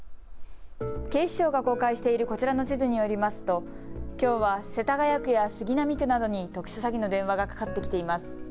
警視庁が公開しているこちらの地図によりますときょうは世田谷区や杉並区などに特殊詐欺の電話がかかってきています。